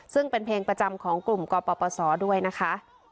ซึ่งเป็นเพลงประจำของกลุ่มกปศด้วยนะคะ